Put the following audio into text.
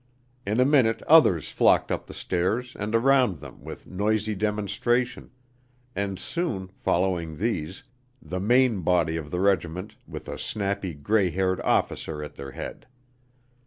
In a minute others flocked up the stairs and around them with noisy demonstration, and soon, following these, the main body of the regiment with a snappy gray haired officer at their head.